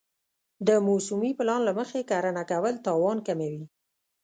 د موسمي پلان له مخې کرنه کول تاوان کموي.